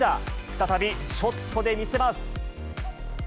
再びショットで見せます。